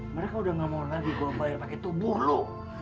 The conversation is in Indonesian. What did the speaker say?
mereka udah gak mau lagi gue bayar pake tubuh lo